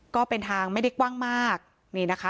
ก็เป็นทางไม่ได้กว้างมากนี่นะคะ